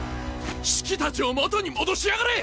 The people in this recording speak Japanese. シキたちを元に戻しやがれ！